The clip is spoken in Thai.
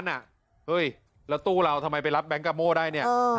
เฮ้ยแล้วตู้เราทำไมไปรับแก๊งกาโม่ได้เนี่ย